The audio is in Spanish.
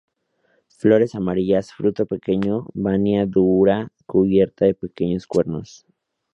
Flores amarillas, fruto pequeño, vaina dura cubierta de pequeños cuernos.